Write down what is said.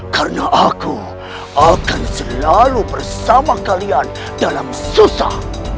karena aku akan selalu bersama kalian dalam susah